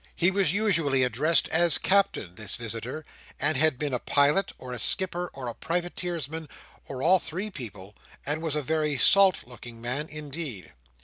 He was usually addressed as Captain, this visitor; and had been a pilot, or a skipper, or a privateersman, or all three perhaps; and was a very salt looking man indeed.